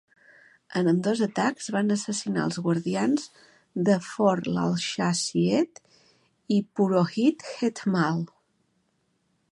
En ambdós atacs, van assassinar els guardians de Fort Lalshah Syed i Purohit Jethmal.